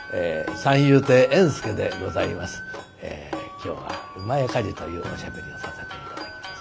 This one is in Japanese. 今日は「厩火事」というおしゃべりをさせて頂きます。